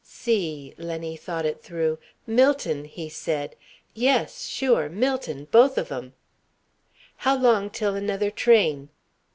"See." Lenny thought it through. "Millton," he said. "Yes, sure. Millton. Both of 'em." "How long till another train?"